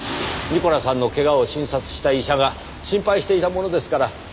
ニコラさんの怪我を診察した医者が心配していたものですから。